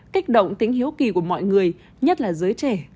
kích động tính hiếu kỳ của mọi người nhất là giới trẻ